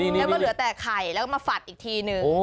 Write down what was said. แล้วก็เหลือแต่ไข่แล้วก็มาฝัดอีกทีนึง